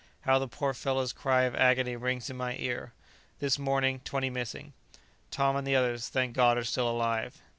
How the poor fellow's cry of agony rings in my ear! This morning, twenty missing. Tom and the others, thank God! are still alive.